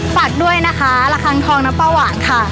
ฝากด้วยนะคะระคังทองน้ำปลาหวานค่ะ